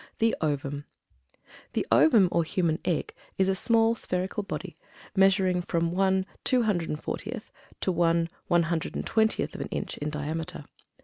THE OVUM. The Ovum, or human egg, is a small spherical body, measuring from one two hundred and fortieth to one one hundred and twentieth of an inch in diameter.